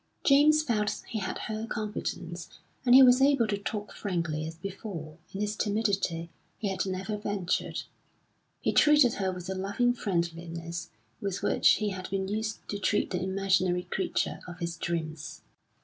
James felt he had her confidence, and he was able to talk frankly as before, in his timidity, he had never ventured. He treated her with the loving friendliness with which he had been used to treat the imaginary creature of his dreams.